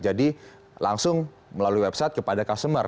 jadi langsung melalui website kepada customer